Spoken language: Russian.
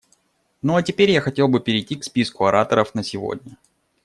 Ну а теперь я хотел бы перейти к списку ораторов на сегодня.